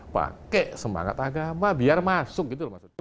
pakai semangat agama biar masuk gitu loh maksudnya